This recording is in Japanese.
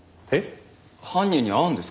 犯人に会うんですか？